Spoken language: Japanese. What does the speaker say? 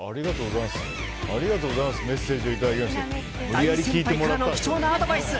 大先輩からの貴重なアドバイス。